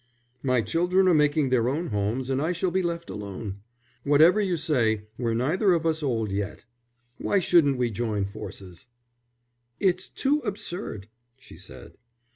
"My children are making their own homes, and I shall be left alone. Whatever you say, we're neither of us old yet. Why shouldn't we join forces?" "It's too absurd," she said.